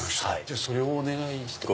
それをお願いします。